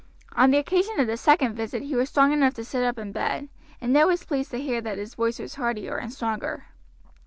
On the occasion of the second visit he was strong enough to sit up in bed, and Ned was pleased to hear that his voice was heartier and stronger.